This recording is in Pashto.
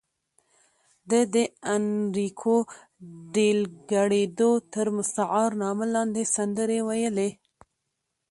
ده د اینریکو ډیلکریډو تر مستعار نامه لاندې سندرې ویلې.